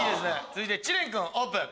続いて知念君オープン。